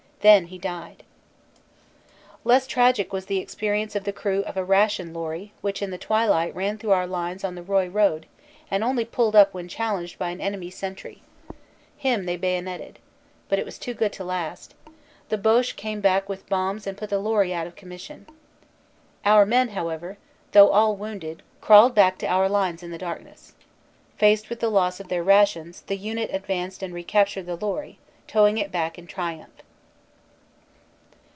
Then he died. Less tragic was the experience of the crew of a ration lorry which in the twilight ran through our lines on the Roye road and only pulled up when challenged by an enemy sentry. Him they bayonetted. But it was too good to last. The Boche came back with bombs and put the lorry out of commission. Our men, however, though all wounded, crawled back to our lines in the darkness. Faced with loss of their rations, the unit advanced and recaptured the lorry, towing it back in triumph.